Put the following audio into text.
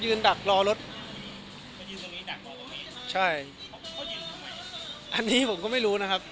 ยืนดักรอรถใช่อันนี้ผมก็ไม่รู้นะครับ